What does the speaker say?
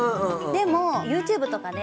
でもＹｏｕＴｕｂｅとかで。